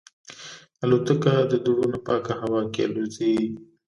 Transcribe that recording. الوتکه د دوړو نه پاکه هوا کې الوزي.